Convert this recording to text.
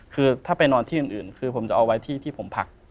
คือถ้าไปนอนที่อื่นคือผมจะเอาไว้ที่ผมพัก